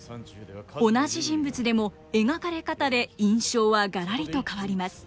同じ人物でも描かれ方で印象はがらりと変わります。